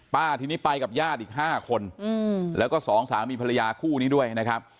ทีนี้ไปกับญาติอีก๕คนแล้วก็สองสามีภรรยาคู่นี้ด้วยนะครับ